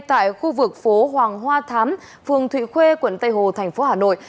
tại khu vực phố hoàng hoa thám phường thụy khuê quận tây hồ thành phố hà nội